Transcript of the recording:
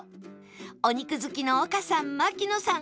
お肉好きの丘さん槙野さん